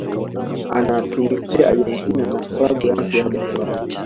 anatumikia Argentina na Klabu yake ya Barcelona